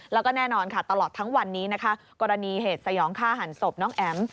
แล้วก็แน่นอนค่ะตลอดทั้งวันนี้นะคะกรณีเหตุสยองฆ่าหันศพน้องแอ๋ม